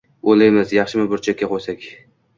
O’ylaymiz: «Yaxshimi burchakka qo’ysak